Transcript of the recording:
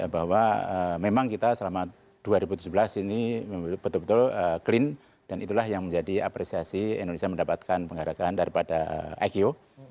bahwa memang kita selama dua ribu tujuh belas ini betul betul clean dan itulah yang menjadi apresiasi indonesia mendapatkan penghargaan daripada iq